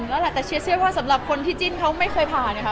มันมันผ่านแล้วระแต่เชียร์ให้ว่าสำหรับคนที่จิ้นก็ไม่เคยผ่านค่ะ